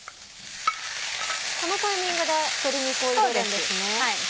このタイミングで鶏肉を入れるんですね。